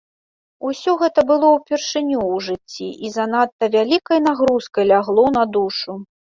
Усё гэта было ўпершыню ў жыцці і занадта вялікай нагрузкай лягло на душу.